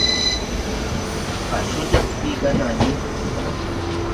Á coo jag ɓi ga naa yiŋ.